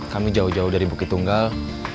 kami jauh jauh dari bukit tunggal